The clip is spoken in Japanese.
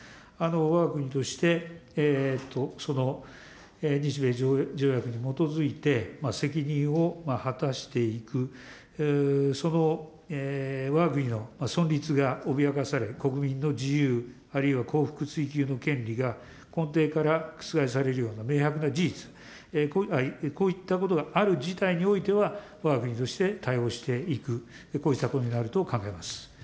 わが国として、日米条約に基づいて、責任を果たしていく、そのわが国の存立が脅かされ、国民の自由、あるいは幸福追求の権利が根底から覆されるような明白な事実、こういったことがある事態においては、わが国として対応していく、こうしたことになると考えます。